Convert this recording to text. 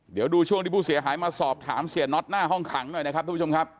เดี๋ยวดูช่วงที่ผู้เสียหายมาสอบถามเสียน็อตหน้าห้องขังหน่อยนะครับทุกผู้ชมครับ